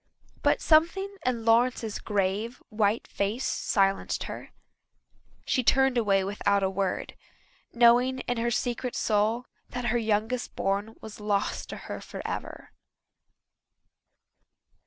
But something in Lawrence's grave, white face silenced her. She turned away without a word, knowing in her secret soul that her youngest born was lost to her forever.